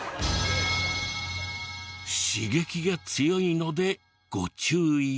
刺激が強いのでご注意を。